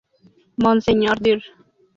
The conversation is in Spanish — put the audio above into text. Monseñor Dr.